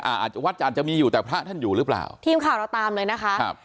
อาจจะวัดอาจจะมีอยู่แต่พระท่านอยู่หรือเปล่าทีมข่าวเราตามเลยนะคะครับ